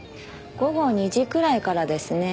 午後２時くらいからですね。